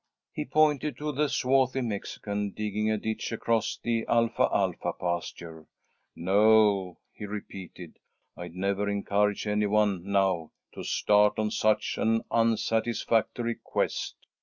He pointed to the swarthy Mexican, digging a ditch across the alfalfa pasture. "No," he repeated. "I'd never encourage any one, now, to start on such an unsatisfactory quest."